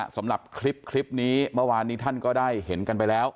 สำหรับคลิปนี้เมื่อวานนี้ท่านก็ได้เห็นกันไปแล้ว